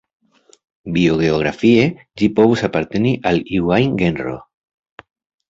Biogeografie, ĝi povus aparteni al iu ajn genro.